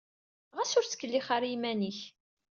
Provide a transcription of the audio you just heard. Ɣas ur ttkellix ara i iman-ik.